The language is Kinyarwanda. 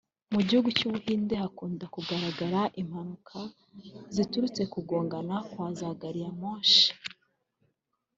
Mu gihugu cy’u Buhinde hakunda kugaragara impanuka ziturutse ku kugongana kwa za gari ya moshi